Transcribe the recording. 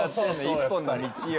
一本の道よ。